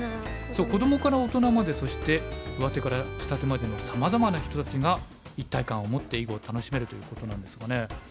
そう子どもから大人までそしてうわてからしたてまでのさまざまな人たちが一体感を持って囲碁を楽しめるということなんですがね。